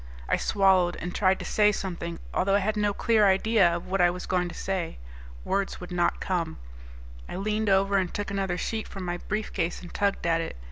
I swallowed and tried to say something, although I had no clear idea of what I was going to say. Words would not come. I leaned over and took another sheet from my briefcase and tugged at it.